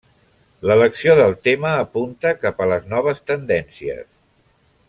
L'elecció del tema apunta cap a les noves tendències.